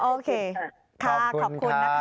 โอเคขอบคุณค่ะ